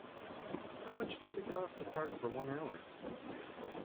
How much does it cost to park for one hour?